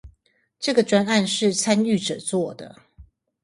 這個專案是參與者做的